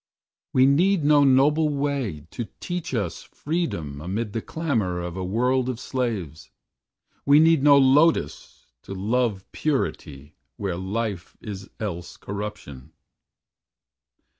We need no Noble Way to teach us Freedom Amid the clamor of a world of slaves. We need no Lotus to love purity Where life is else corruption.